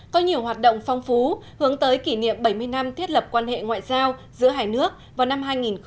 có nhiều hoạt động phong phú hướng tới kỷ niệm bảy mươi năm thiết lập quan hệ ngoại giao giữa hai nước vào năm hai nghìn hai mươi